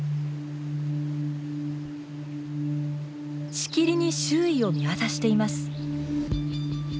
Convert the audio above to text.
しきりに周囲を見渡しています。